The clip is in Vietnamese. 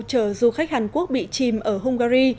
chờ du khách hàn quốc bị chìm ở hungary